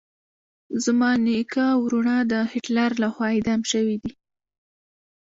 زما نیکه او ورونه د هټلر لخوا اعدام شويدي.